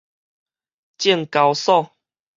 證交所